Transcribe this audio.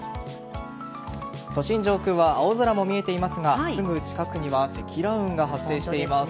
都心上空は青空も見えていますがすぐ近くには積乱雲が発生しています。